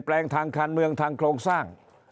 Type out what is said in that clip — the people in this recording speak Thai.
เปลี่ยนแปลงทางการเมืองทางโครงสร้าง